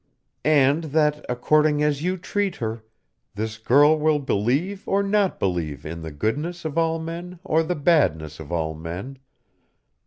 "And that, according as you treat her, this girl will believe or not believe in the goodness of all men or the badness of all men.